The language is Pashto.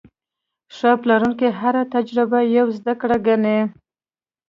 ښه پلورونکی هره تجربه یوه زده کړه ګڼي.